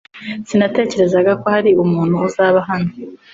Sinatekerezaga ko hari umuntu uzaba hano .